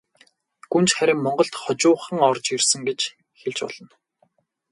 Гүнж харин монголд хожуухан орж ирсэн гэж хэлж болно.